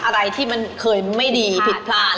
อะไรที่มันเคยไม่ดีผิดพลาด